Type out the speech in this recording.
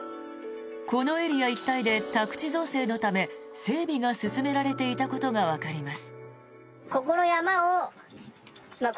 このエリア一帯で宅地造成のため整備が進められていたことがわかります。